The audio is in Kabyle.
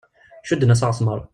Cudden-as aɣesmar.